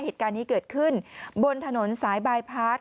เหตุการณ์นี้เกิดขึ้นบนถนนสายบายพาร์ท